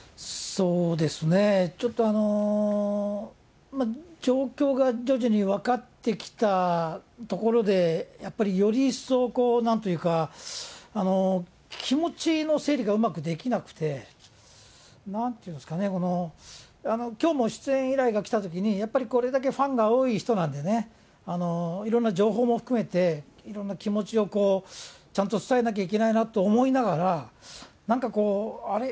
そうですね、ちょっと状況が徐々に分かってきたところで、やっぱりより一層こう、なんというか、気持ちの整理がうまくできなくて、なんていうんですかね、きょうも出演依頼が来たときに、やっぱりこれだけファンが多い人なんでね、いろんな情報も含めて、いろんな気持ちをちゃんと伝えなきゃいけないなと思いながら、なんかこう、あれ？